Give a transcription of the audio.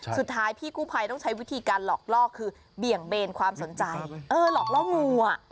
สุดท้ายพี่กู้ภัยต้องใช้วิธีการหลอกล่อคือเบี่ยงเบนความสนใจเออหลอกล่องูอ่ะ